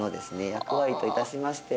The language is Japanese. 役割といたしましては